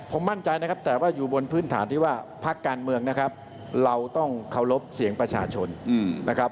ผมมั่นใจนะครับแต่ว่าอยู่บนพื้นฐานที่ว่าพักการเมืองนะครับเราต้องเคารพเสียงประชาชนนะครับ